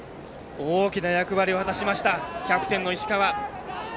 大きな役割を果たしましたキャプテンの石川。